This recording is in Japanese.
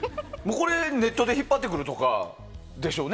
ネットで引っ張ってくるとかでしょうね。